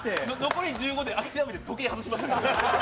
残り１５で諦めて時計は外しましたから。